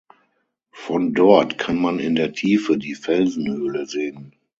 Von dort kann man in der Tiefe die "Felsenhöhle" sehen.